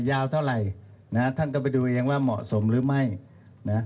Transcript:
ยาวเท่าไหร่นะฮะท่านต้องไปดูเองว่าเหมาะสมหรือไม่นะ